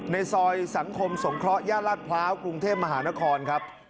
ในซอยสังคมสงเคราะหย่านลาดพร้าวกรุงเทพมหานครครับ